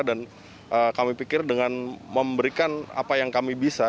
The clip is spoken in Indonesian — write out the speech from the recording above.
dan kami pikir dengan memberikan apa yang kami bisa